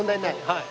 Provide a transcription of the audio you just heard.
はい。